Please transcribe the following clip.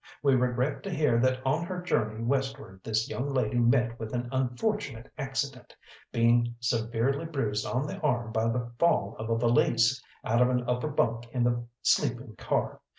We regret to hear that on her journey westward this young lady met with an unfortunate accident, being severely bruised on the arm by the fall of a valise out of an upper bunk in the sleeping car.